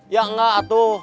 ya enggak atuh